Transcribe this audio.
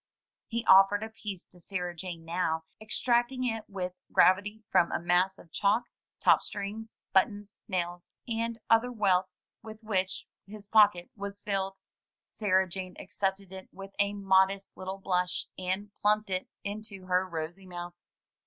He offered a piece to Sarah Jane now, extracting it with gravity from a mass of chalk, top strings, buttons, nails, and other wealth with which his pocket was filled. Sarah Jane accepted it with a modest little blush, and plumped it into her rosy mouth.